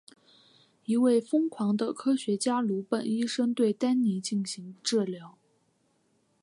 一位疯狂的科学家鲁本医生对丹尼进行治疗。